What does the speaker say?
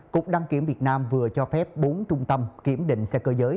cục đăng kiểm việt nam vừa cho phép bốn trung tâm kiểm định xe cơ giới